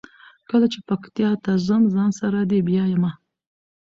کله چې پکتیا ته ځم ځان سره دې بیایمه.